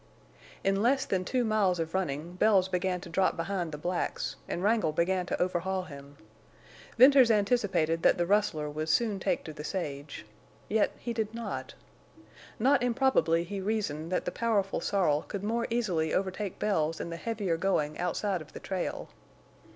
In less than two miles of running Bells began to drop behind the blacks, and Wrangle began to overhaul him. Venters anticipated that the rustler would soon take to the sage. Yet he did not. Not improbably he reasoned that the powerful sorrel could more easily overtake Bells in the heavier going outside of the trail.